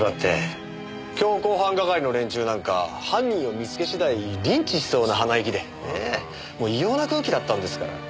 強行犯係の連中なんか犯人を見つけ次第リンチしそうな鼻息で異様な空気だったんですから。